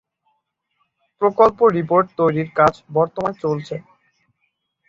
প্রকল্প রিপোর্ট তৈরির কাজ বর্তমানে চলছে।